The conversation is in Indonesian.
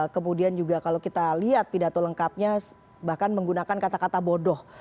kemudian juga kalau kita lihat pidato lengkapnya bahkan menggunakan kata kata bodoh